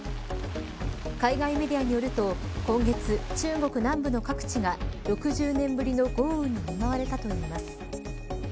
海外メディアによると今月中国南部の各地が６０年ぶりの豪雨に見舞われたといいます。